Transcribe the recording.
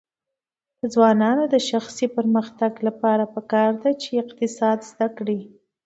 د ځوانانو د شخصي پرمختګ لپاره پکار ده چې اقتصاد زده کړي.